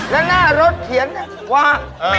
แล้วหน้ารถเขียนว่า